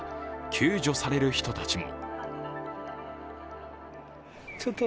救助される人たちも。